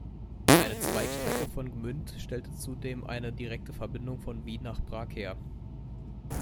Eine Zweigstrecke von Gmünd stellte zudem eine direkte Verbindung von Wien nach Prag her.